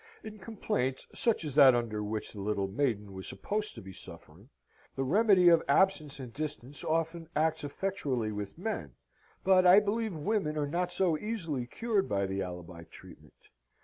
In complaints such as that under which the poor little maiden was supposed to be suffering, the remedy of absence and distance often acts effectually with men; but I believe women are not so easily cured by the alibi treatment.